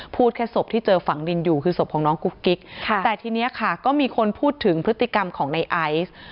พูดแค่ศพที่เจอฝังดินอยู่คือศพของน้องกุ๊กกิ๊กแต่ทีนี้ค่ะก็มีคนพูดถึงพฤติกรรมของในไอซ์